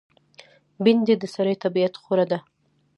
بېنډۍ د سړي طبیعت خوړه ده